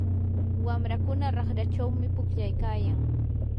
wamrakuna raqrachawmi pukllaykayan.